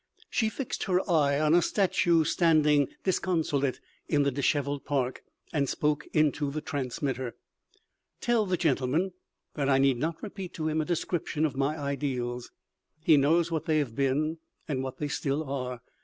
She fixed her eye on a statue standing disconsolate in the dishevelled park, and spoke into the transmitter: "Tell the gentleman that I need not repeat to him a description of my ideals. He knows what they have been and what they still are.